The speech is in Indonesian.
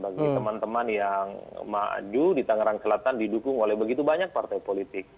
bagi teman teman yang maju di tangerang selatan didukung oleh begitu banyak partai politik